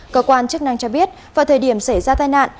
cơ quan chức năng cho biết vào thời điểm xảy ra tai nạn